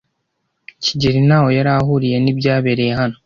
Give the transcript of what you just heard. kigeli ntaho yari ahuriye nibyabereye hano.